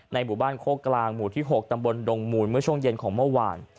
หมู่บ้านโคกกลางหมู่ที่๖ตำบลดงมูลเมื่อช่วงเย็นของเมื่อวาน